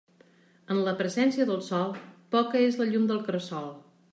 En la presència del sol, poca és la llum del cresol.